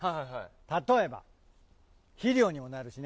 例えば、肥料にもなるしね。